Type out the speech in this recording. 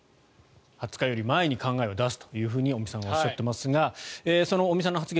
２０日より前に考えを出すと尾身さんはおっしゃっていますがその尾身さんの発言